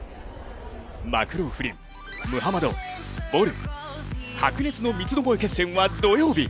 マクローフリン、ムハマド、ボル白熱の三つどもえ決戦は土曜日。